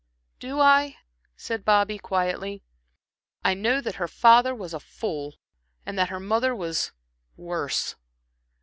"Do I," said Bobby, quietly. "I know that her father was a fool, and that her mother was worse.